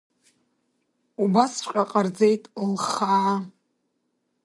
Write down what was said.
Убасҵәҟьа ҟарҵеит лхаа.